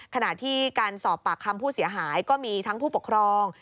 ขณะที่การสอบปากคำผู้เสียหายก็มีทั้งผู้ปกครอง